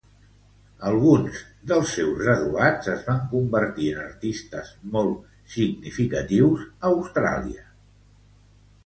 Alguns dels seus graduats es van convertir en artistes molt significatius a Austràlia.